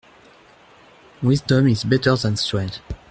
Wisdom is better than strength.